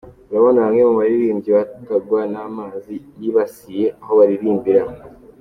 Urabona bamwe mu baririmvyi batwagwa n'amazi yibasiye aho baririmbira.